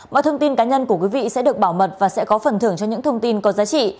mọi thông tin cá nhân của quý vị sẽ được bảo mật và sẽ có phần thưởng cho những thông tin có giá trị